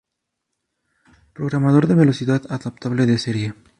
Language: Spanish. Programador de velocidad adaptable de serie.